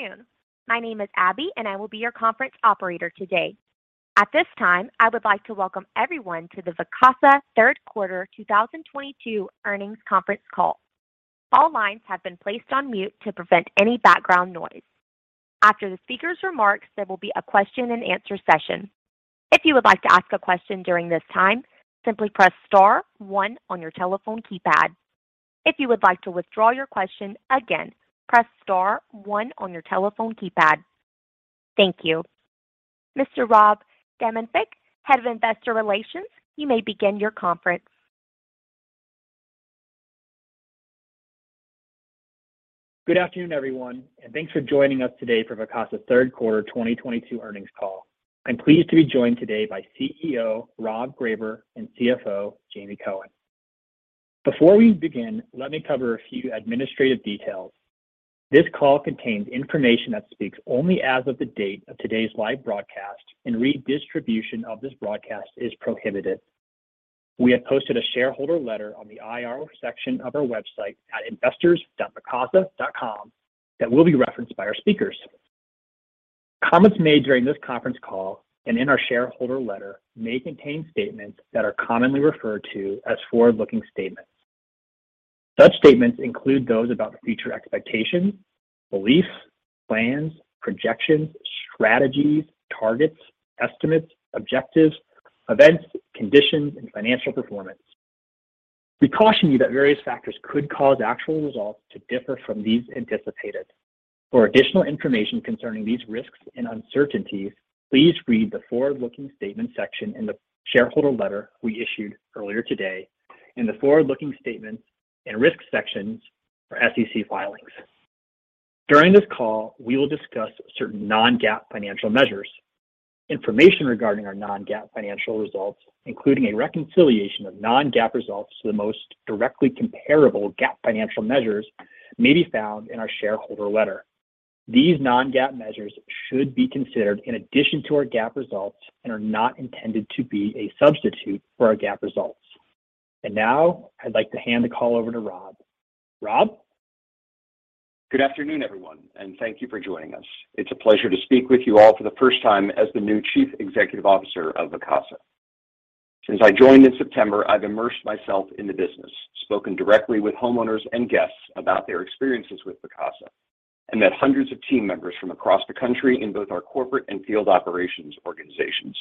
Good afternoon. My name is Abby, and I will be your conference operator today. At this time, I would like to welcome everyone to the Vacasa third quarter 2022 earnings conference call. All lines have been placed on mute to prevent any background noise. After the speaker's remarks, there will be a question-and-answer session. If you would like to ask a question during this time, simply press star one on your telephone keypad. If you would like to withdraw your question, again, press star one on your telephone keypad. Thank you. Mr. Ryan Domyancic, Head of Investor Relations, you may begin your conference. Good afternoon, everyone, and thanks for joining us today for Vacasa third quarter 2022 earnings call. I'm pleased to be joined today by CEO Rob Greyber and CFO Jamie Cohen. Before we begin, let me cover a few administrative details. This call contains information that speaks only as of the date of today's live broadcast and redistribution of this broadcast is prohibited. We have posted a shareholder letter on the IR section of our website at investors.vacasa.com that will be referenced by our speakers. Comments made during this conference call and in our shareholder letter may contain statements that are commonly referred to as forward-looking statements. Such statements include those about future expectations, beliefs, plans, projections, strategies, targets, estimates, objectives, events, conditions, and financial performance. We caution you that various factors could cause actual results to differ from these anticipated. For additional information concerning these risks and uncertainties, please read the Forward-Looking Statement section in the shareholder letter we issued earlier today and the Forward-Looking Statement and Risk sections for SEC filings. During this call, we will discuss certain non-GAAP financial measures. Information regarding our non-GAAP financial results, including a reconciliation of non-GAAP results to the most directly comparable GAAP financial measures, may be found in our shareholder letter. These non-GAAP measures should be considered in addition to our GAAP results and are not intended to be a substitute for our GAAP results. Now, I'd like to hand the call over to Rob. Rob? Good afternoon, everyone, and thank you for joining us. It's a pleasure to speak with you all for the first time as the new Chief Executive Officer of Vacasa. Since I joined in September, I've immersed myself in the business, spoken directly with homeowners and guests about their experiences with Vacasa and met hundreds of team members from across the country in both our corporate and field operations organizations.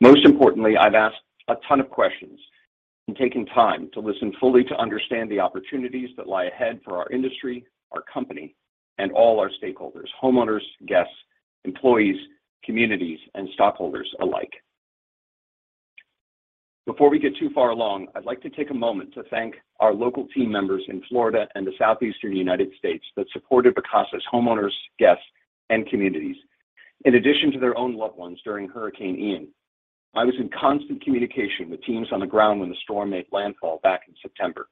Most importantly, I've asked a ton of questions and taken time to listen fully to understand the opportunities that lie ahead for our industry, our company, and all our stakeholders, homeowners, guests, employees, communities, and stockholders alike. Before we get too far along, I'd like to take a moment to thank our local team members in Florida and the Southeastern United States that supported Vacasa's homeowners, guests, and communities in addition to their own loved ones during Hurricane Ian. I was in constant communication with teams on the ground when the storm made landfall back in September.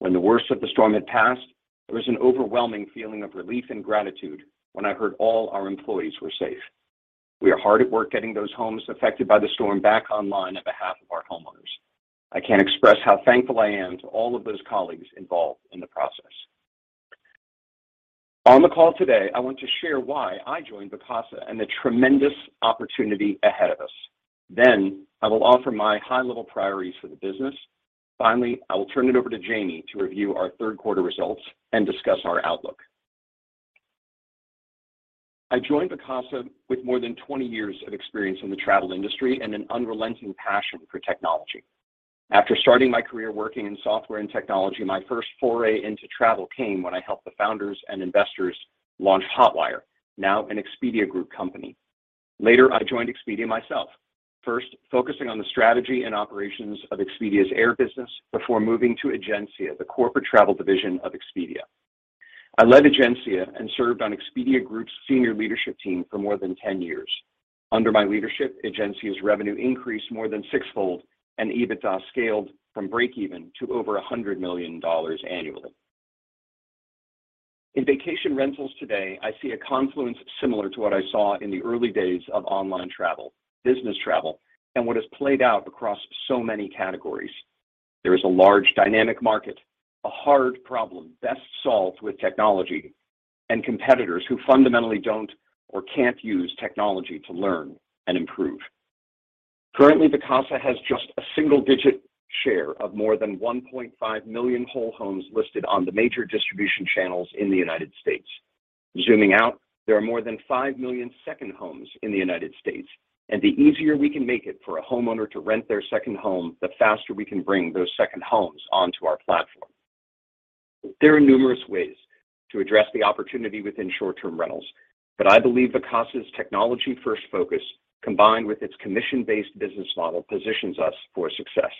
When the worst of the storm had passed, there was an overwhelming feeling of relief and gratitude when I heard all our employees were safe. We are hard at work getting those homes affected by the storm back online on behalf of our homeowners. I can't express how thankful I am to all of those colleagues involved in the process. On the call today, I want to share why I joined Vacasa and the tremendous opportunity ahead of us. Then, I will offer my high-level priorities for the business. Finally, I will turn it over to Jamie to review our third quarter results and discuss our outlook. I joined Vacasa with more than 20 years of experience in the travel industry and an unrelenting passion for technology. After starting my career working in software and technology, my first foray into travel came when I helped the founders and investors launch Hotwire, now an Expedia Group company. Later, I joined Expedia myself, first, focusing on the strategy and operations of Expedia's air business before moving to Egencia, the corporate travel division of Expedia. I led Egencia and served on Expedia Group's senior leadership team for more than 10 years. Under my leadership, Egencia's revenue increased more than six-fold, and EBITDA scaled from breakeven to over $100 million annually. In vacation rentals today, I see a confluence similar to what I saw in the early days of online travel, business travel, and what has played out across so many categories. There is a large dynamic market, a hard problem best solved with technology and competitors who fundamentally don't or can't use technology to learn and improve. Currently, Vacasa has just a single-digit share of more than 1.5 million whole homes listed on the major distribution channels in the United States. Zooming out, there are more than 5 million second homes in the United States, and the easier we can make it for a homeowner to rent their second home, the faster we can bring those second homes onto our platform. There are numerous ways to address the opportunity within short-term rentals, but I believe Vacasa's technology-first focus, combined with its commission-based business model, positions us for success.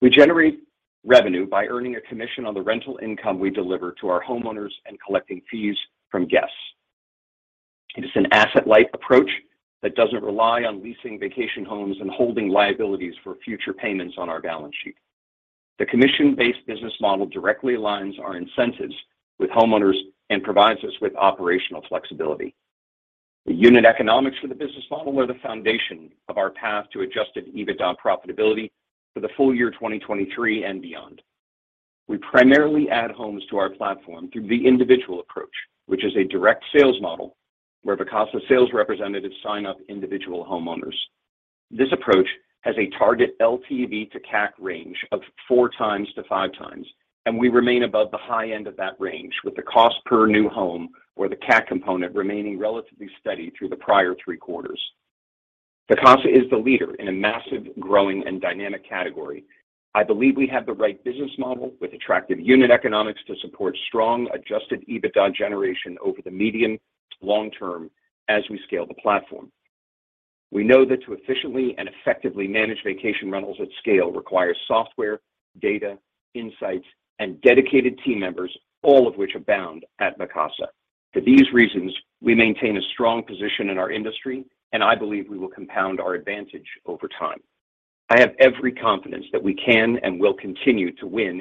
We generate revenue by earning a commission on the rental income we deliver to our homeowners and collecting fees from guests. It is an asset-light approach that doesn't rely on leasing vacation homes and holding liabilities for future payments on our balance sheet. The commission-based business model directly aligns our incentives with homeowners and provides us with operational flexibility. The unit economics for the business model are the foundation of our path to adjusted EBITDA profitability for the full year 2023 and beyond. We primarily add homes to our platform through the individual approach, which is a direct sales model where Vacasa sales representatives sign up individual homeowners. This approach has a target LTV to CAC range of 4x-5x, and we remain above the high end of that range with the cost per new home or the CAC component remaining relatively steady through the prior three quarters. Vacasa is the leader in a massive, growing, and dynamic category. I believe we have the right business model with attractive unit economics to support strong adjusted EBITDA generation over the medium to long term as we scale the platform. We know that to efficiently and effectively manage vacation rentals at scale requires software, data, insights, and dedicated team members, all of which abound at Vacasa. For these reasons, we maintain a strong position in our industry, and I believe we will compound our advantage over time. I have every confidence that we can and will continue to win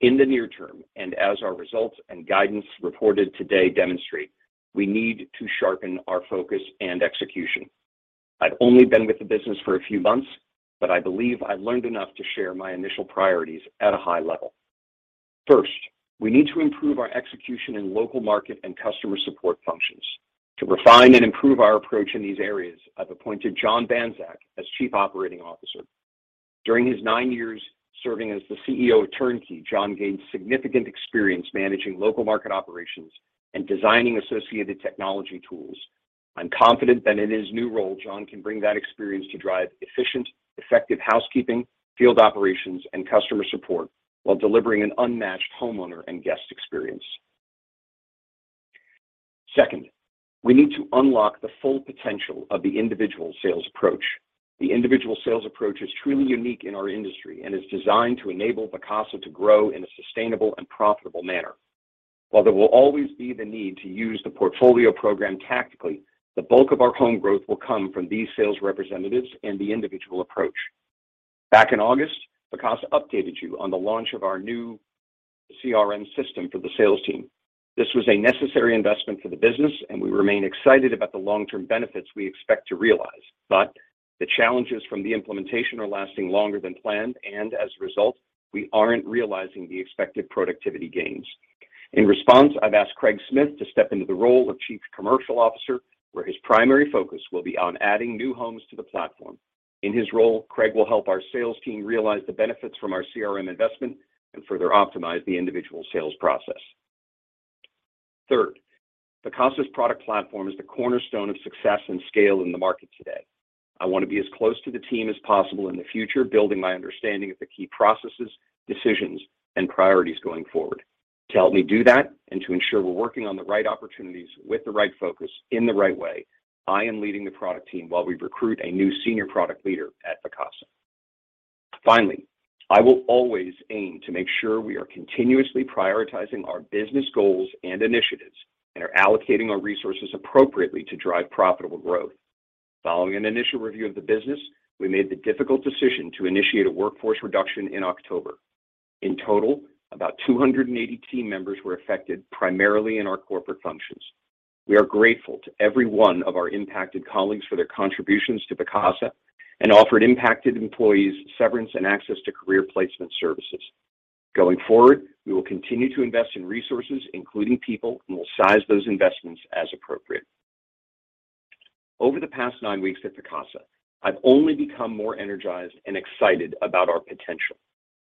in this space. Yet, in the near term, and as our results and guidance reported today demonstrate, we need to sharpen our focus and execution. I've only been with the business for a few months, but I believe I learned enough to share my initial priorities at a high level. First, we need to improve our execution in local market and customer support functions. To refine and improve our approach in these areas, I've appointed John Banczak as Chief Operating Officer. During his nine years serving as the CEO of Turnkey, John gained significant experience managing local market operations and designing associated technology tools. I'm confident that in his new role, John can bring that experience to drive efficient, effective housekeeping, field operations, and customer support while delivering an unmatched homeowner and guest experience. Second, we need to unlock the full potential of the individual sales approach. The individual sales approach is truly unique in our industry and is designed to enable Vacasa to grow in a sustainable and profitable manner. While there will always be the need to use the portfolio program tactically, the bulk of our home growth will come from these sales representatives and the individual sales approach. Back in August, Vacasa updated you on the launch of our new CRM system for the sales team. This was a necessary investment for the business, and we remain excited about the long-term benefits we expect to realize. The challenges from the implementation are lasting longer than planned, and as a result, we aren't realizing the expected productivity gains. In response, I've asked Craig Smith to step into the role of Chief Commercial Officer, where his primary focus will be on adding new homes to the platform. In his role, Craig will help our sales team realize the benefits from our CRM investment and further optimize the individual sales process. Third, Vacasa's product platform is the cornerstone of success and scale in the market today. I want to be as close to the team as possible in the future, building my understanding of the key processes, decisions, and priorities going forward. To help me do that and to ensure we're working on the right opportunities with the right focus in the right way, I am leading the product team while we recruit a new Senior Product Leader at Vacasa. Finally, I will always aim to make sure we are continuously prioritizing our business goals and initiatives and are allocating our resources appropriately to drive profitable growth. Following an initial review of the business, we made the difficult decision to initiate a workforce reduction in October. In total, about 280 team members were affected, primarily in our corporate functions. We are grateful to every one of our impacted colleagues for their contributions to Vacasa and offered impacted employees severance and access to career placement services. Going forward, we will continue to invest in resources, including people, and will size those investments as appropriate. Over the past nine weeks at Vacasa, I've only become more energized and excited about our potential.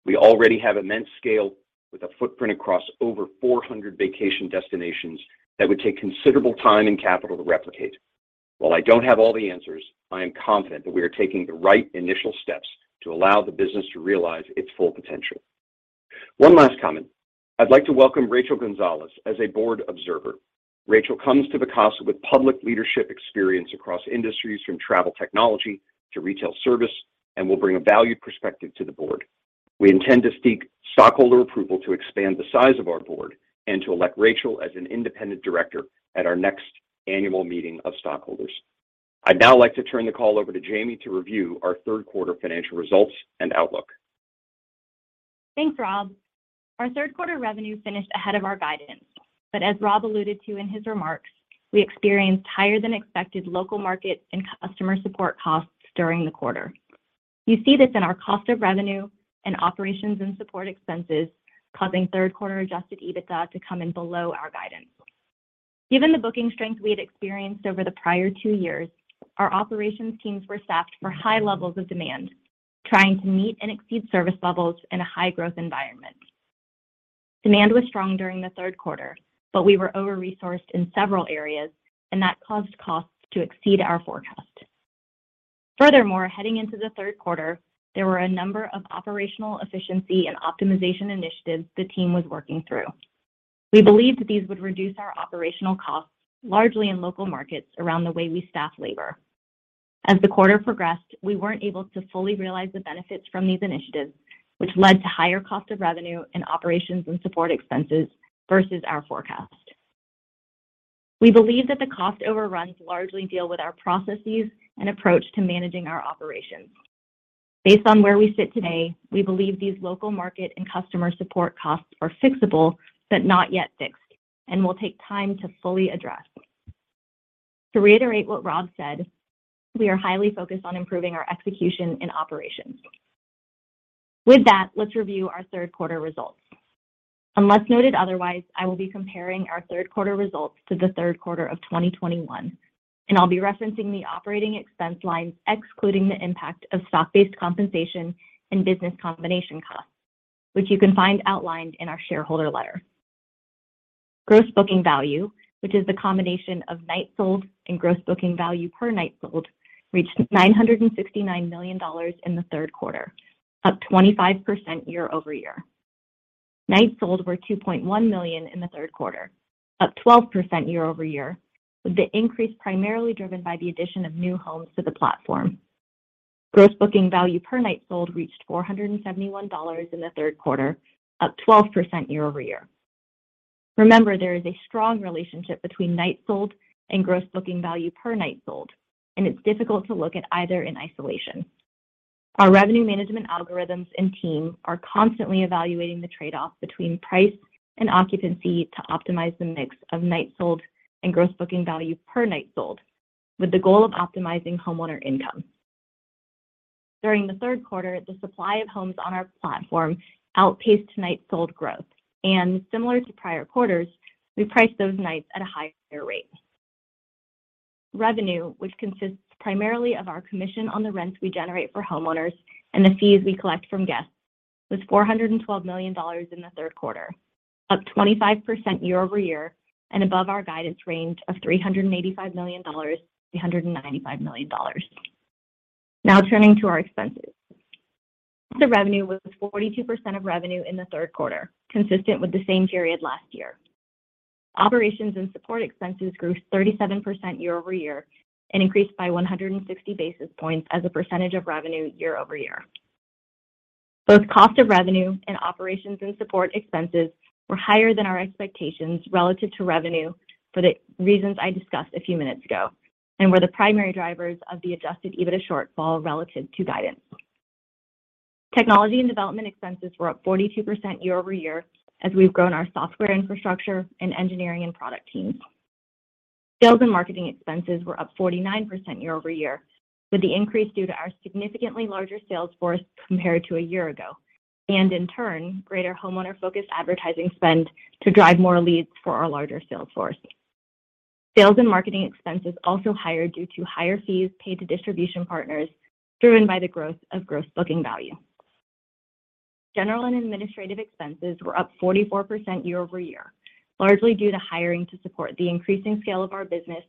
We already have immense scale with a footprint across over 400 vacation destinations that would take considerable time and capital to replicate. While I don't have all the answers, I am confident that we are taking the right initial steps to allow the business to realize its full potential. One last comment. I'd like to welcome Rachel Gonzalez as a Board observer. Rachel comes to Vacasa with public leadership experience across industries from travel technology to retail service and will bring a valued perspective to the Board. We intend to seek stockholder approval to expand the size of our Board and to elect Rachel as an Independent Director at our next annual meeting of stockholders. I'd now like to turn the call over to Jamie to review our third quarter financial results and outlook. Thanks, Rob. Our third quarter revenue finished ahead of our guidance. As Rob alluded to in his remarks, we experienced higher than expected local market and customer support costs during the quarter. You see this in our cost of revenue and operations and support expenses, causing third quarter adjusted EBITDA to come in below our guidance. Given the booking strength we had experienced over the prior two years, our operations teams were staffed for high levels of demand, trying to meet and exceed service levels in a high-growth environment. Demand was strong during the third quarter, but we were over-resourced in several areas, and that caused costs to exceed our forecast. Furthermore, heading into the third quarter, there were a number of operational efficiency and optimization initiatives the team was working through. We believed that these would reduce our operational costs, largely in local markets around the way we staff labor. As the quarter progressed, we weren't able to fully realize the benefits from these initiatives, which led to higher cost of revenue and operations and support expenses versus our forecast. We believe that the cost overruns largely deal with our processes and approach to managing our operations. Based on where we sit today, we believe these local market and customer support costs are fixable, but not yet fixed, and will take time to fully address. To reiterate what Rob said, we are highly focused on improving our execution and operations. With that, let's review our third quarter results. Unless noted otherwise, I will be comparing our third quarter results to the third quarter of 2021, and I'll be referencing the operating expense lines excluding the impact of stock-based compensation and business combination costs, which you can find outlined in our shareholder letter. Gross Booking Value, which is the combination of nights sold and Gross Booking Value per night sold, reached $969 million in the third quarter, up 25% year-over-year. Nights sold were $2.1 million in the third quarter, up 12% year-over-year, with the increase primarily driven by the addition of new homes to the platform. Gross Booking Value per night sold reached $471 in the third quarter, up 12% year-over-year. Remember, there is a strong relationship between nights sold and gross booking value per night sold, and it's difficult to look at either in isolation. Our revenue management algorithms and team are constantly evaluating the trade-off between price and occupancy to optimize the mix of nights sold and gross booking value per night sold with the goal of optimizing homeowner income. During the third quarter, the supply of homes on our platform outpaced nights sold growth, and similar to prior quarters, we priced those nights at a higher rate. Revenue, which consists primarily of our commission on the rents we generate for homeowners and the fees we collect from guests, was $412 million in the third quarter, up 25% year-over-year and above our guidance range of $385 million-$395 million. Now, turning to our expenses. The revenue was 42% of revenue in the third quarter, consistent with the same period last year. Operations and support expenses grew 37% year-over-year and increased by 160 basis points as a percentage of revenue year-over-year. Both cost of revenue and operations and support expenses were higher than our expectations relative to revenue for the reasons I discussed a few minutes ago and were the primary drivers of the adjusted EBITDA shortfall relative to guidance. Technology and development expenses were up 42% year-over-year as we've grown our software infrastructure and engineering and product teams. Sales and marketing expenses were up 49% year-over-year, with the increase due to our significantly larger sales force compared to a year ago and, in turn, greater homeowner-focused advertising spend to drive more leads for our larger sales force. Sales and marketing expenses also higher due to higher fees paid to distribution partners driven by the growth of Gross Booking Value. General and administrative expenses were up 44% year-over-year, largely due to hiring to support the increasing scale of our business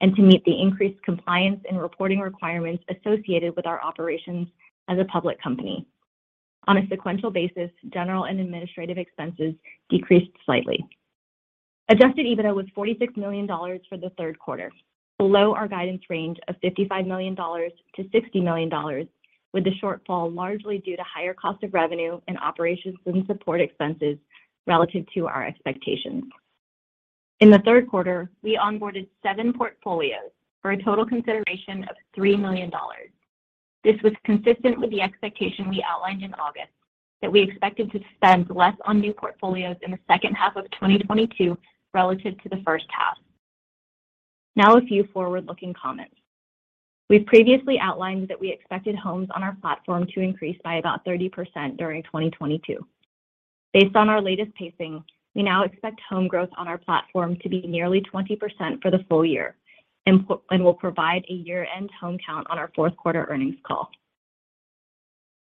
and to meet the increased compliance and reporting requirements associated with our operations as a public company. On a sequential basis, general and administrative expenses decreased slightly. Adjusted EBITDA was $46 million for the third quarter, below our guidance range of $55 million-$60 million, with the shortfall largely due to higher cost of revenue and operations and support expenses relative to our expectations. In the third quarter, we onboarded seven portfolios for a total consideration of $3 million. This was consistent with the expectation we outlined in August that we expected to spend less on new portfolios in the second half of 2022 relative to the first half. Now, a few forward-looking comments. We've previously outlined that we expected homes on our platform to increase by about 30% during 2022. Based on our latest pacing, we now expect home growth on our platform to be nearly 20% for the full year and will provide a year-end home count on our fourth quarter earnings call.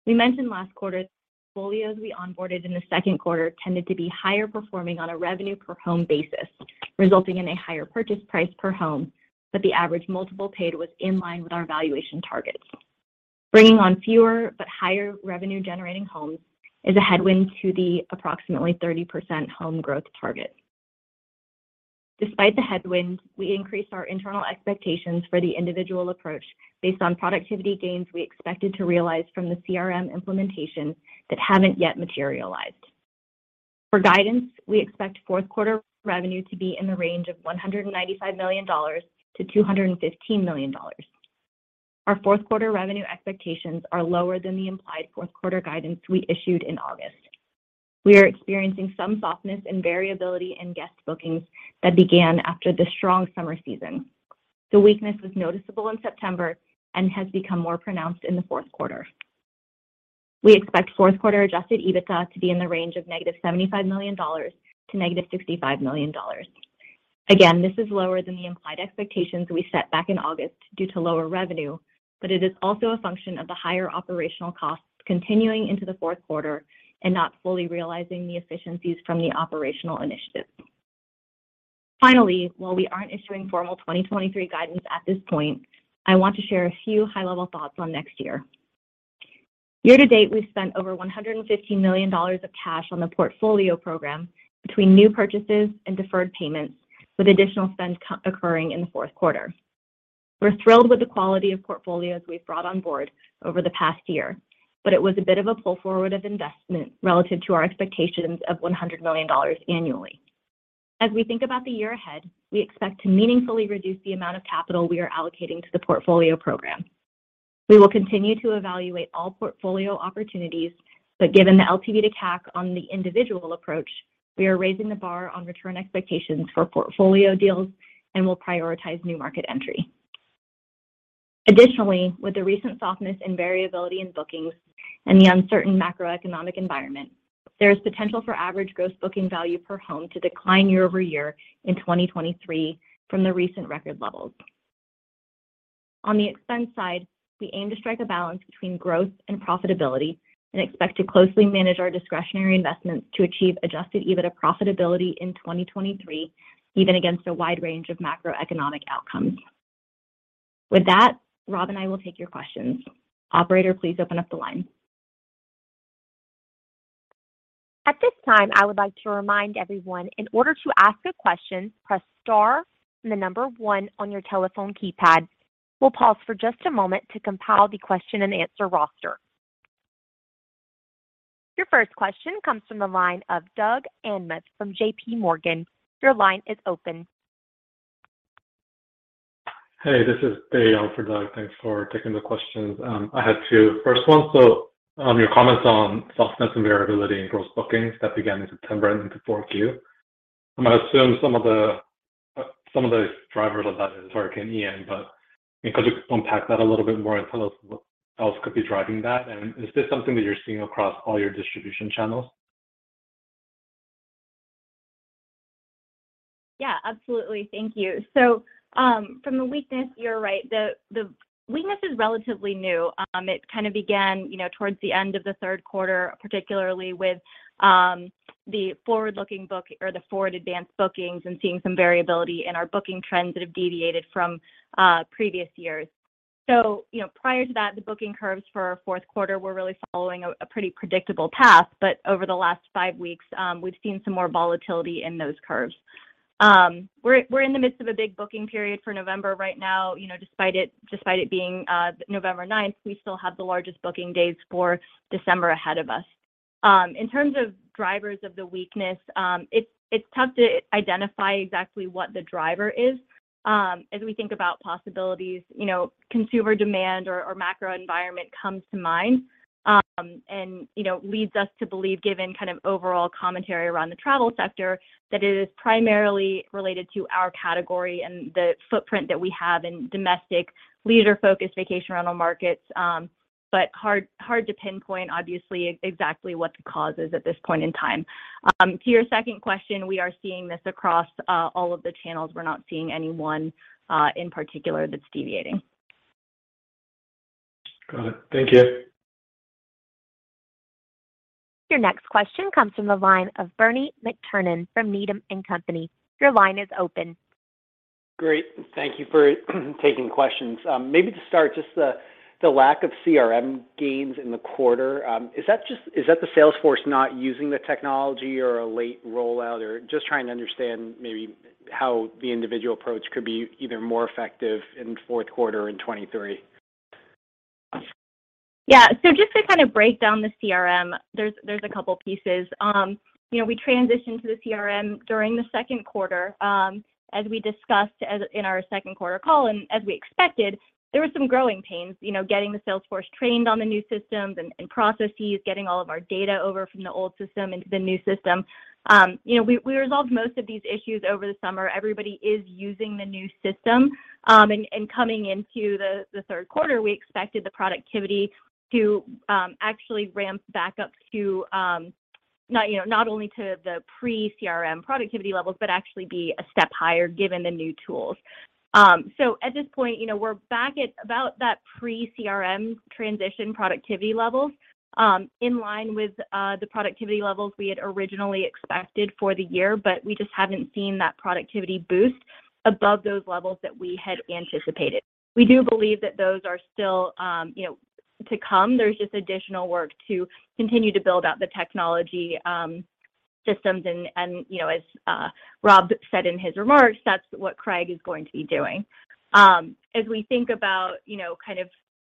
We mentioned last quarter, portfolios we onboarded in the second quarter tended to be higher performing on a revenue per home basis, resulting in a higher purchase price per home, but the average multiple paid was in line with our valuation targets. Bringing on fewer but higher revenue-generating homes is a headwind to the approximately 30% home growth target. Despite the headwind, we increased our internal expectations for the individual approach based on productivity gains we expected to realize from the CRM implementation that haven't yet materialized. For guidance, we expect fourth quarter revenue to be in the range of $195 million-$215 million. Our fourth quarter revenue expectations are lower than the implied fourth quarter guidance we issued in August. We are experiencing some softness and variability in guest bookings that began after the strong summer season. The weakness was noticeable in September and has become more pronounced in the fourth quarter. We expect fourth quarter adjusted EBITDA to be in the range of -$75 million to -$65 million. Again, this is lower than the implied expectations we set back in August due to lower revenue, but it is also a function of the higher operational costs continuing into the fourth quarter and not fully realizing the efficiencies from the operational initiatives. Finally, while we aren't issuing formal 2023 guidance at this point, I want to share a few high-level thoughts on next year. Year to date, we've spent over $150 million of cash on the portfolio program between new purchases and deferred payments, with additional spend occurring in the fourth quarter. We're thrilled with the quality of portfolios we've brought on board over the past year, but it was a bit of a pull forward of investment relative to our expectations of $100 million annually. As we think about the year ahead, we expect to meaningfully reduce the amount of capital we are allocating to the portfolio program. We will continue to evaluate all portfolio opportunities, but given the LTV to CAC on the individual approach, we are raising the bar on return expectations for portfolio deals and will prioritize new market entry. Additionally, with the recent softness and variability in bookings and the uncertain macroeconomic environment, there is potential for average gross booking value per home to decline year-over-year in 2023 from the recent record levels. On the expense side, we aim to strike a balance between growth and profitability and expect to closely manage our discretionary investments to achieve adjusted EBITDA profitability in 2023, even against a wide range of macroeconomic outcomes. With that, Rob and I will take your questions. Operator, please open up the line. At this time, I would like to remind everyone in order to ask a question, press star then the number one on your telephone keypad. We'll pause for just a moment to compile the question and answer roster. Your first question comes from the line of Doug Anmuth from JPMorgan. Your line is open. Hey, this is Dae, on for Doug. Thanks for taking the questions. I had two. First one, your comments on softness and variability in gross bookings that began in September into Q4. I'm gonna assume some of the drivers of that is Hurricane Ian, but could you unpack that a little bit more and tell us what else could be driving that? And, is this something that you're seeing across all your distribution channels? Yeah, absolutely. Thank you. From the weakness, you're right. The weakness is relatively new. It kind of began, you know, towards the end of the third quarter, particularly with the forward-looking book or the forward advanced bookings, and seeing some variability in our booking trends that have deviated from previous years. Prior to that, the booking curves for our fourth quarter were really following a pretty predictable path. Over the last five weeks, we've seen some more volatility in those curves. We're in the midst of a big booking period for November right now. Despite it being November 9th, we still have the largest booking days for December ahead of us. In terms of drivers of the weakness, it's tough to identify exactly what the driver is. As we think about possibilities, you know, consumer demand or macro environment comes to mind, you know, leads us to believe, given kind of overall commentary around the travel sector, that it is primarily related to our category and the footprint that we have in domestic leisure-focused vacation rental markets. Hard to pinpoint obviously exactly what the cause is at this point in time. To your second question, we are seeing this across all of the channels. We're not seeing any one in particular that's deviating. Got it. Thank you. Your next question comes from the line of Bernie McTernan from Needham & Company. Your line is open. Great. Thank you for taking questions. Maybe to start, the lack of CRM gains in the quarter. Is that the sales force not using the technology or a late rollout? Just trying to understand maybe how the individual approach could be either more effective in fourth quarter in 2023. Yeah. Just to kind of break down the CRM, there's a couple pieces. You know, we transitioned to the CRM during the second quarter. As we discussed in our second quarter call and as we expected, there were some growing pains, you know, getting the sales force trained on the new systems and processes, getting all of our data over from the old system into the new system. You know, we resolved most of these issues over the summer. Everybody is using the new system. Coming into the third quarter, we expected the productivity to actually ramp back up to, you know, not only to the pre-CRM productivity levels, but actually be a step higher given the new tools. At this point, you know, we're back at about that pre-CRM transition productivity levels, in line with the productivity levels we had originally expected for the year, but we just haven't seen that productivity boost above those levels that we had anticipated. We do believe that those are still, you know, to come. There's just additional work to continue to build out the technology systems. You know, as Rob said in his remarks, that's what Craig is going to be doing. As we think about, you know, kind of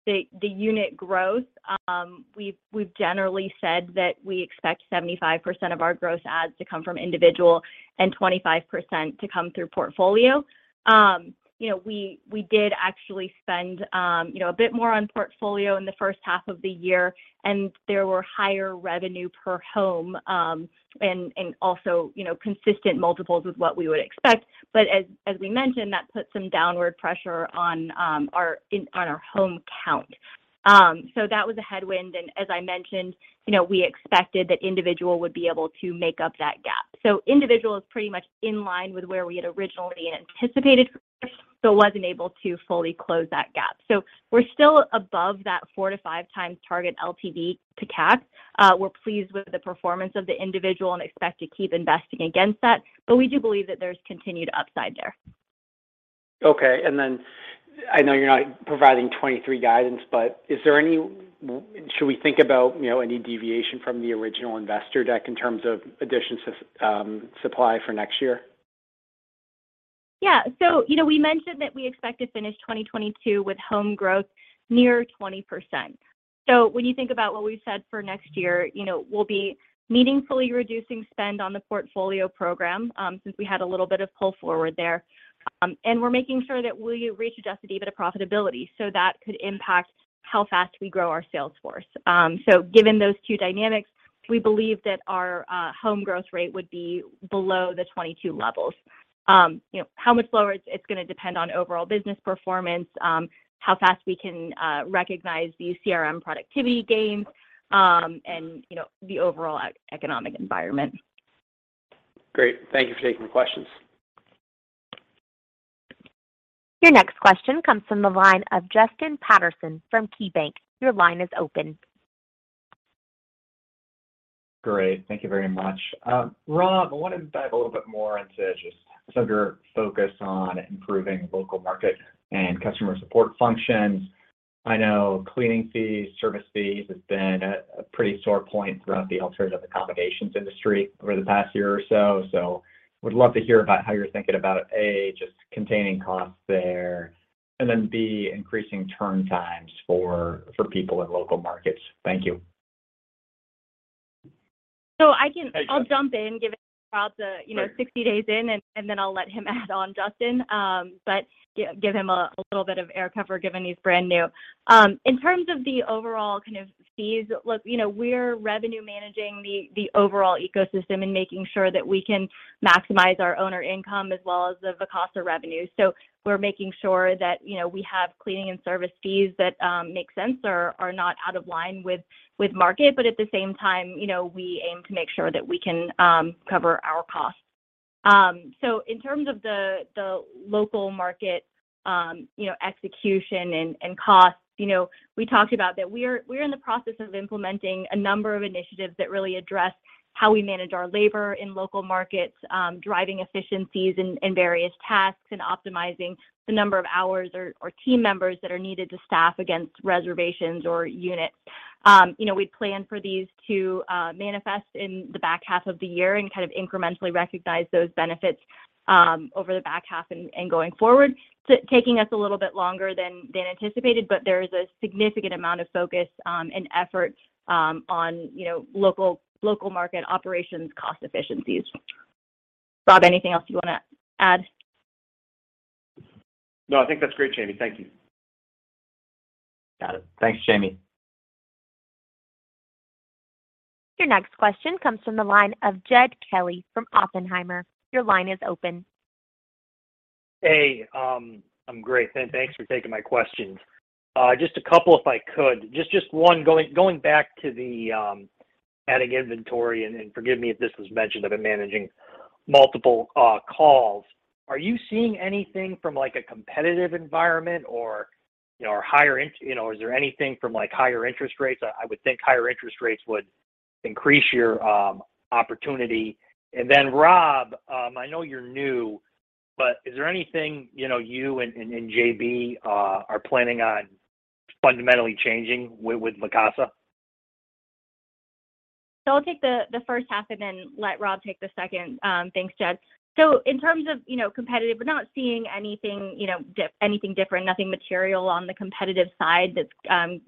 the unit growth, we've generally said that we expect 75% of our gross adds to come from individual and 25% to come through portfolio. You know, we did actually spend, you know, a bit more on portfolio in the first half of the year, and there were higher revenue per home, and also, you know, consistent multiples with what we would expect. As we mentioned, that put some downward pressure on our home count. That was a headwind. As I mentioned, you know, we expected that individual would be able to make up that gap. Individual is pretty much in line with where we had originally anticipated, so wasn't able to fully close that gap. We're still above that 4x-5x target LTV to CAC. We're pleased with the performance of the individual and expect to keep investing against that, but we do believe that there's continued upside there. Okay. I know you're not providing 2023 guidance, but should we think about, you know, any deviation from the original investor deck in terms of additional supply for next year? Yeah. You know, we mentioned that we expect to finish 2022 with home growth near 20%. When you think about what we've said for next year, you know, we'll be meaningfully reducing spend on the portfolio program, since we had a little bit of pull forward there. We're making sure that we reach adjusted EBITDA profitability, so that could impact how fast we grow our sales force. Given those two dynamics, we believe that our home growth rate would be below the 2022 levels. You know, how much lower, it's gonna depend on overall business performance, how fast we can recognize these CRM productivity gains, and, you know, the overall economic environment. Great. Thank you for taking the questions. Your next question comes from the line of Justin Patterson from KeyBanc. Your line is open. Great. Thank you very much. Rob, I wanted to dive a little bit more into just sort of your focus on improving local market and customer support functions. I know cleaning fees, service fees has been a pretty sore point throughout the alternative accommodations industry over the past year or so. Would love to hear about how you're thinking about, A, just containing costs there, and then, B, increasing turn times for people in local markets. Thank you. I'll jump in, given Rob the 60 days in, you know, and then I'll let him add on, Justin, but give him a little bit of air cover given he's brand new. In terms of the overall kind of fees, look, you know, we're revenue managing the overall ecosystem and making sure that we can maximize our owner income as well as the Vacasa revenues. We're making sure that, you know, we have cleaning and service fees that make sense or are not out of line with market. But at the same time, you know, we aim to make sure that we can cover our costs. In terms of the local market, you know, execution and costs, you know, we talked about that we're in the process of implementing a number of initiatives that really address how we manage our labor in local markets, driving efficiencies in various tasks, and optimizing the number of hours or team members that are needed to staff against reservations or units. You know, we plan for these to manifest in the back half of the year and kind of incrementally recognize those benefits, over the back half and going forward. Taking us a little bit longer than anticipated, but there is a significant amount of focus and effort on, you know, local market operations cost efficiencies. Rob, anything else you wanna add? No, I think that's great, Jamie. Thank you. Got it. Thanks, Jamie. Your next question comes from the line of Jed Kelly from Oppenheimer. Your line is open. Hey, great. Thanks for taking my questions. Just a couple, if I could. Just one, going back to the adding inventory, and forgive me if this was mentioned, I've been managing multiple calls. Are you seeing anything from, like, a competitive environment or, you know, or higher interest rates? I would think higher interest rates would increase your opportunity. Rob, I know you're new, but is there anything, you know, you and JB are planning on fundamentally changing with Vacasa? I'll take the first half and then let Rob take the second. Thanks, Jed. In terms of competitive, we're not seeing anything different, nothing material on the competitive side that's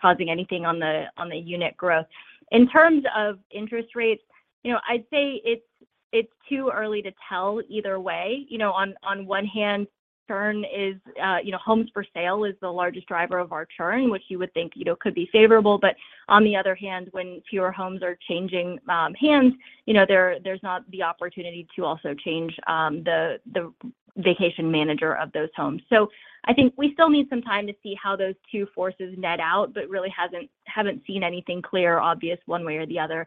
causing anything on the unit growth. In terms of interest rates, I'd say it's too early to tell either way. On one hand, churn is homes for sale is the largest driver of our churn, which you would think could be favorable. On the other hand, when fewer homes are changing hands, there's not the opportunity to also change the vacation manager of those homes. I think we still need some time to see how those two forces net out, but really haven't seen anything clearly obvious one way or the other.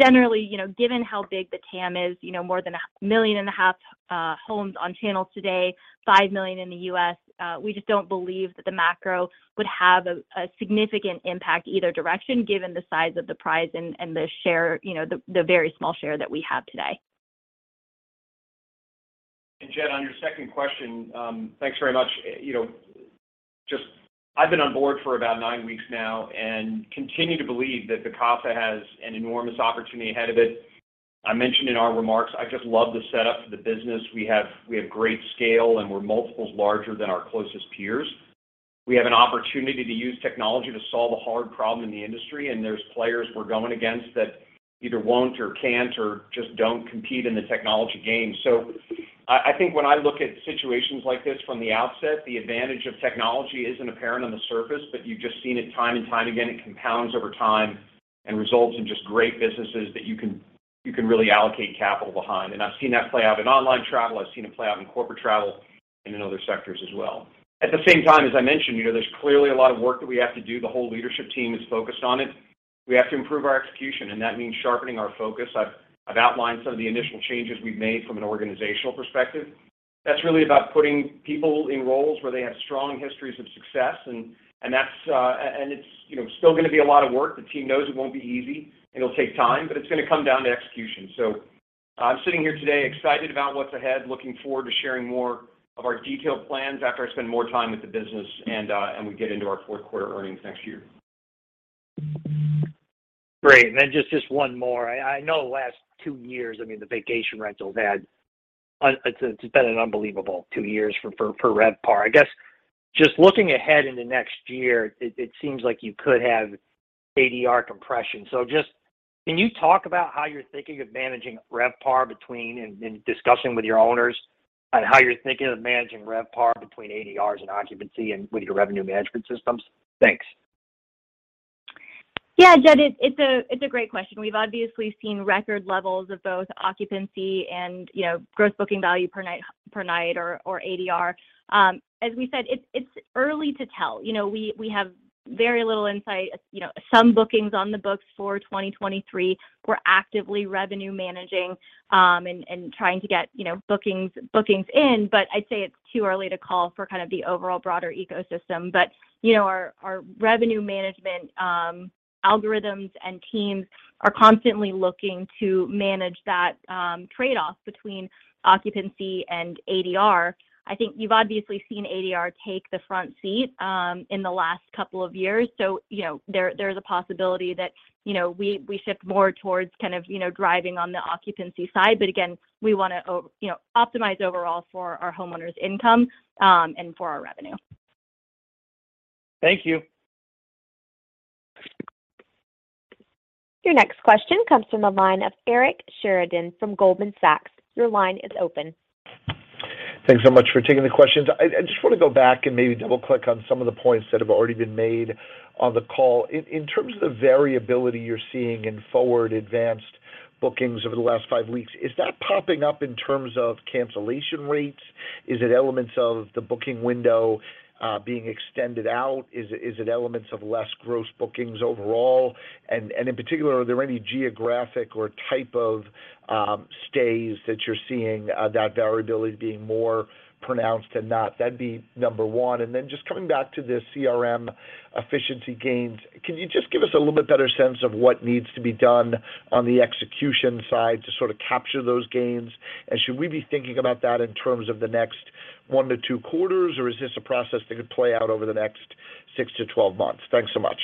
Generally, you know, given how big the TAM is, you know, more than 1.5 million homes on channels today, 5 million in the U.S., we just don't believe that the macro would have a significant impact either direction given the size of the prize and the share, you know, the very small share that we have today. Jed, on your second question, thanks very much. You know, just I've been on board for about nine weeks now and continue to believe that Vacasa has an enormous opportunity ahead of it. I mentioned in our remarks, I just love the setup for the business. We have great scale, and we're multiples larger than our closest peers. We have an opportunity to use technology to solve a hard problem in the industry, and there's players we're going against that either won't or can't or just don't compete in the technology game. I think when I look at situations like this from the outset, the advantage of technology isn't apparent on the surface, but you've just seen it time and time again. It compounds over time and results in just great businesses that you can really allocate capital behind. I've seen that play out in online travel. I've seen it play out in corporate travel and in other sectors as well. At the same time, as I mentioned, you know, there's clearly a lot of work that we have to do. The whole leadership team is focused on it. We have to improve our execution, and that means sharpening our focus. I've outlined some of the initial changes we've made from an organizational perspective. That's really about putting people in roles where they have strong histories of success, and that's, you know, still gonna be a lot of work. The team knows it won't be easy, and it'll take time, but it's gonna come down to execution. I'm sitting here today excited about what's ahead, looking forward to sharing more of our detailed plans after I spend more time with the business and we get into our fourth quarter earnings next year. Great. Just one more. I know the last two years, I mean, it's been an unbelievable two years for RevPAR. I guess just looking ahead into next year, it seems like you could have ADR compression. Just, can you talk about how you're thinking of managing RevPAR and discussing with your owners on how you're thinking of managing RevPAR between ADRs and occupancy and with your revenue management systems? Thanks. Yeah, Jed, it's a great question. We've obviously seen record levels of both occupancy and, you know, Gross Booking Value per night or ADR. As we said, it's early to tell. You know, we have very little insight. You know, some bookings on the books for 2023. We're actively revenue managing and trying to get, you know, bookings in, but I'd say it's too early to call for kind of the overall broader ecosystem. You know, our revenue management algorithms and teams are constantly looking to manage that trade-off between occupancy and ADR. I think you've obviously seen ADR take the front seat in the last couple of years, so, you know, there is a possibility that, you know, we shift more towards kind of, you know, driving on the occupancy side. Again, we wanna, you know, optimize overall for our homeowners income and for our revenue. Thank you. Your next question comes from the line of Eric Sheridan from Goldman Sachs. Your line is open. Thanks so much for taking the questions. I just wanna go back and maybe double-click on some of the points that have already been made on the call. In terms of the variability you're seeing in forward advanced bookings over the last five weeks, is that popping up in terms of cancellation rates? Is it elements of the booking window being extended out? Is it elements of less gross bookings overall? And in particular, are there any geographic or type of stays that you're seeing that variability being more pronounced than not? That'd be number one. Just coming back to the CRM efficiency gains, can you just give us a little bit better sense of what needs to be done on the execution side to sort of capture those gains? Should we be thinking about that in terms of the next one to two quarters, or is this a process that could play out over the next six to 12 months? Thanks so much.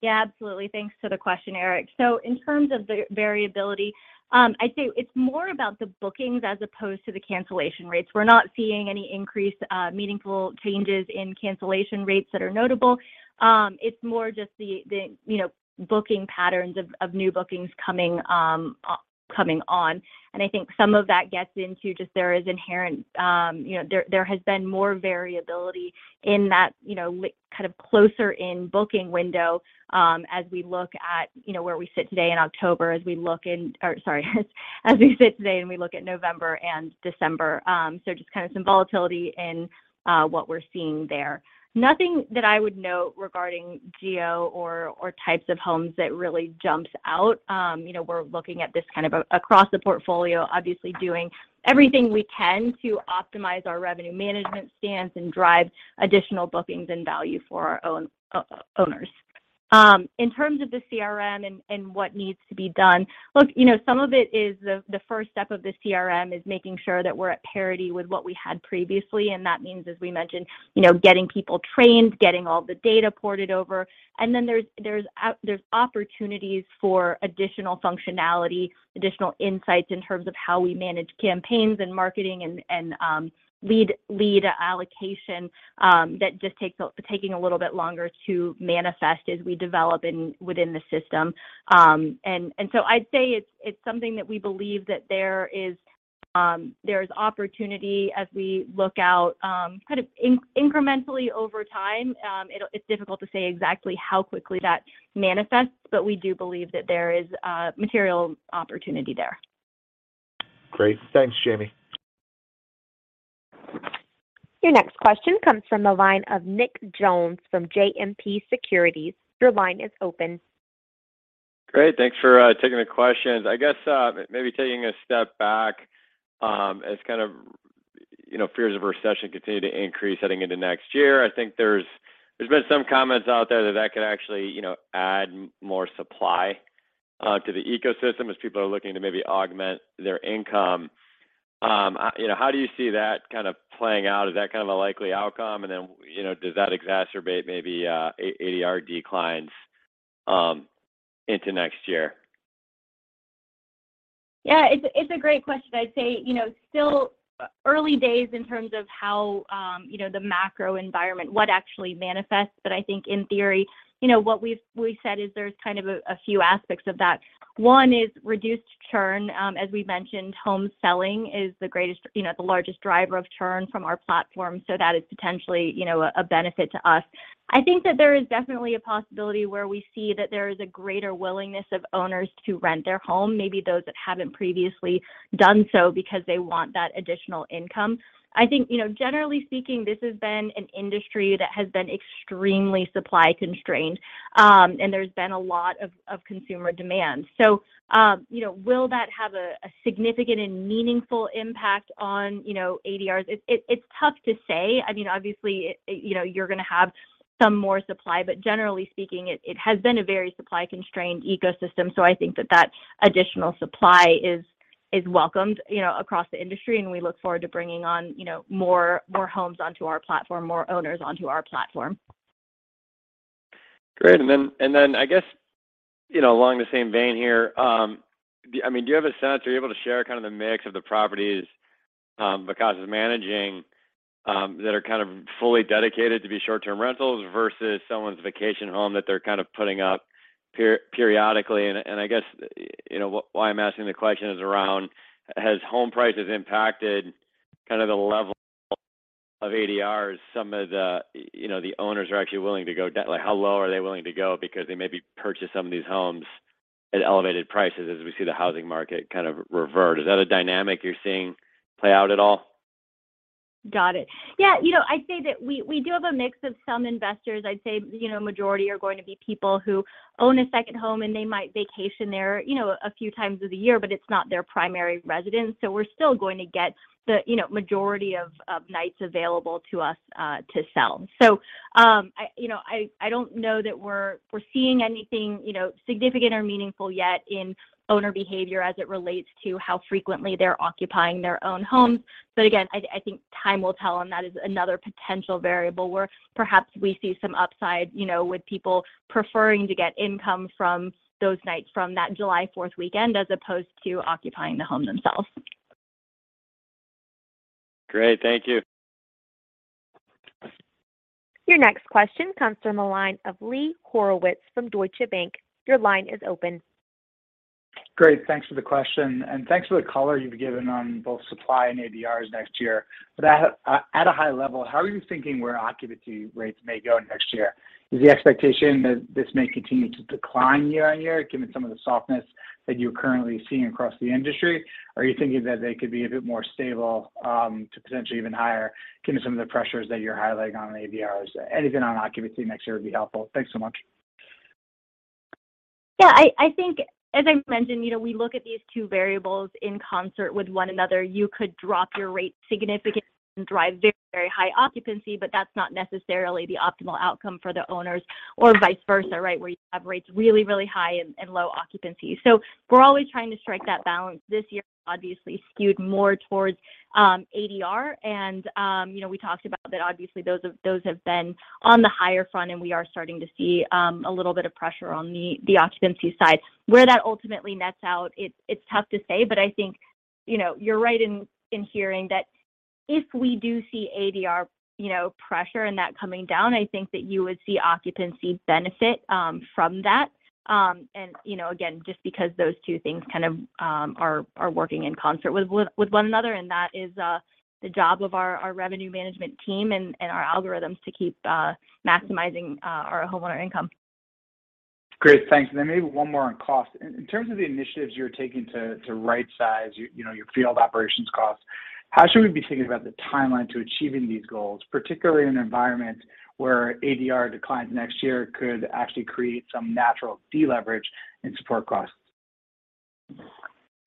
Yeah, absolutely. Thanks for the question, Eric. In terms of the variability, I'd say it's more about the bookings as opposed to the cancellation rates. We're not seeing any increased meaningful changes in cancellation rates that are notable. It's more just the, you know, booking patterns of new bookings coming on. I think some of that gets into just there is inherent variability in that kind of closer in booking window as we look at where we sit today in October, as we sit today and we look at November and December. Just kind of some volatility in what we're seeing there. Nothing that I would note regarding geo or types of homes that really jumps out. You know, we're looking at this kind of across the portfolio, obviously doing everything we can to optimize our revenue management stance and drive additional bookings and value for our own owners. In terms of the CRM and what needs to be done, look, you know, some of it is the first step of the CRM is making sure that we're at parity with what we had previously, and that means, as we mentioned, you know, getting people trained, getting all the data ported over. Then there's opportunities for additional functionality, additional insights in terms of how we manage campaigns and marketing and lead allocation that just takes a little bit longer to manifest as we develop within the system. I'd say it's something that we believe that there is opportunity as we look out, kind of incrementally over time. It's difficult to say exactly how quickly that manifests, but we do believe that there is material opportunity there. Great. Thanks, Jamie. Your next question comes from the line of Nicholas Jones from JMP Securities. Your line is open. Great. Thanks for taking the questions. I guess, maybe taking a step back, as kind of, you know, fears of recession continue to increase heading into next year. I think there's been some comments out there that could actually, you know, add more supply to the ecosystem as people are looking to maybe augment their income. You know, how do you see that kind of playing out? Is that kind of a likely outcome? You know, does that exacerbate maybe, ADR declines, into next year? Yeah. It's a great question. I'd say, you know, still early days in terms of how, you know, the macro environment, what actually manifests. I think in theory, you know, what we've said is there's kind of a few aspects of that. One is reduced churn. As we've mentioned, home selling is the greatest, you know, the largest driver of churn from our platform, so that is potentially, you know, a benefit to us. I think that there is definitely a possibility where we see that there is a greater willingness of owners to rent their home, maybe those that haven't previously done so because they want that additional income. I think, you know, generally speaking, this has been an industry that has been extremely supply constrained, and there's been a lot of consumer demand. You know, will that have a significant and meaningful impact on, you know, ADRs? It's tough to say. I mean, obviously, you know, you're gonna have some more supply, but generally speaking, it has been a very supply constrained ecosystem, so I think that additional supply is welcomed, you know, across the industry, and we look forward to bringing on, you know, more homes onto our platform, more owners onto our platform. Great. Then I guess, you know, along the same vein here, I mean, do you have a sense, are you able to share kind of the mix of the properties Vacasa is managing that are kind of fully dedicated to be short-term rentals versus someone's vacation home that they're kind of putting up periodically. I guess, you know, why I'm asking the question is around, has home prices impacted kind of the level of ADRs some of the, you know, the owners are actually willing to go down. Like, how low are they willing to go because they maybe purchased some of these homes at elevated prices as we see the housing market kind of revert. Is that a dynamic you're seeing play out at all? Got it. Yeah. You know, I'd say that we do have a mix of some investors. I'd say, you know, majority are going to be people who own a second home, and they might vacation there, you know, a few times of the year, but it's not their primary residence. We're still going to get the, you know, majority of nights available to us to sell. You know, I don't know that we're seeing anything, you know, significant or meaningful yet in owner behavior as it relates to how frequently they're occupying their own homes. Again, I think time will tell, and that is another potential variable where perhaps we see some upside, you know, with people preferring to get income from those nights from that July Fourth weekend as opposed to occupying the home themselves. Great. Thank you. Your next question comes from the line of Lee Horowitz from Deutsche Bank. Your line is open. Great. Thanks for the question, and thanks for the color you've given on both supply and ADRs next year. At a high level, how are you thinking where occupancy rates may go next year? Is the expectation that this may continue to decline year on year, given some of the softness that you're currently seeing across the industry? Are you thinking that they could be a bit more stable, to potentially even higher, given some of the pressures that you're highlighting on ADRs? Anything on occupancy next year would be helpful. Thanks so much. Yeah. I think as I mentioned, you know, we look at these two variables in concert with one another. You could drop your rate significantly and drive very high occupancy, but that's not necessarily the optimal outcome for the owners or vice versa, right? Where you have rates really, really high and low occupancy. We're always trying to strike that balance. This year obviously skewed more towards ADR and, you know, we talked about that obviously those have been on the higher front, and we are starting to see a little bit of pressure on the occupancy side. Where that ultimately nets out, it's tough to say, but I think, you know, you're right in hearing that if we do see ADR, you know, pressure and that coming down, I think that you would see occupancy benefit from that, you know, again, just because those two things kind of are working in concert with one another, and that is the job of our revenue management team and our algorithms to keep maximizing our homeowner income. Great. Thanks. Maybe one more on cost. In terms of the initiatives you're taking to right size, you know, your field operations costs, how should we be thinking about the timeline to achieving these goals, particularly in an environment where ADR declines next year could actually create some natural deleverage in support costs?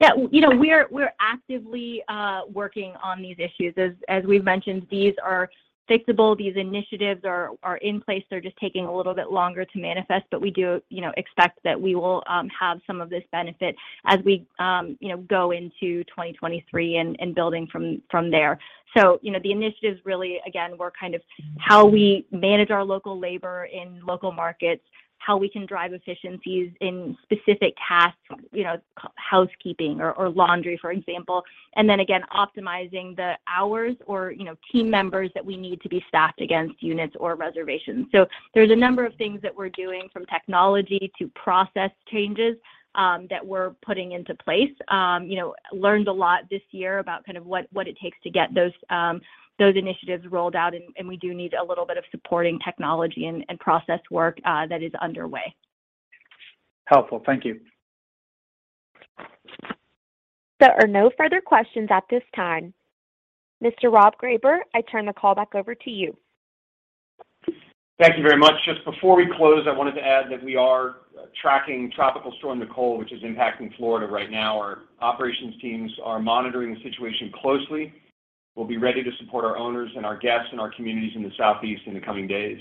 Yeah. You know, we're actively working on these issues. As we've mentioned, these are fixable. These initiatives are in place. They're just taking a little bit longer to manifest. We do, you know, expect that we will have some of this benefit as we, you know, go into 2023 and building from there. You know, the initiatives really, again, were kind of how we manage our local labor in local markets, how we can drive efficiencies in specific tasks, you know, housekeeping or laundry, for example. Again, optimizing the hours or, you know, team members that we need to be staffed against units or reservations. There's a number of things that we're doing from technology to process changes that we're putting into place. You know, learned a lot this year about kind of what it takes to get those initiatives rolled out, and we do need a little bit of supporting technology and process work that is underway. Helpful. Thank you. There are no further questions at this time. Mr. Rob Greyber, I turn the call back over to you. Thank you very much. Just before we close, I wanted to add that we are tracking Tropical Storm Nicole, which is impacting Florida right now. Our operations teams are monitoring the situation closely. We'll be ready to support our owners and our guests in our communities in the Southeast in the coming days.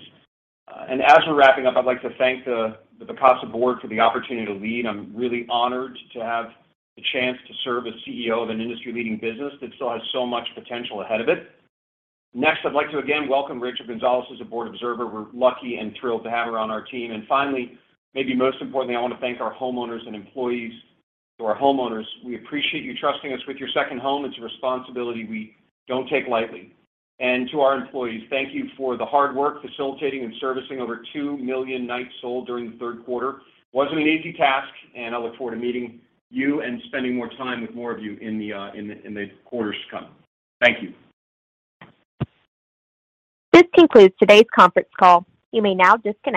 As we're wrapping up, I'd like to thank the Vacasa board for the opportunity to lead. I'm really honored to have the chance to serve as CEO of an industry-leading business that still has so much potential ahead of it. Next, I'd like to again welcome Rachel Gonzalez as a board observer. We're lucky and thrilled to have her on our team. Finally, maybe most importantly, I want to thank our homeowners and employees. To our homeowners, we appreciate you trusting us with your second home. It's a responsibility we don't take lightly. To our employees, thank you for the hard work facilitating and servicing over 2 million nights sold during the third quarter. Wasn't an easy task, and I look forward to meeting you and spending more time with more of you in the quarters to come. Thank you. This concludes today's conference call. You may now disconnect.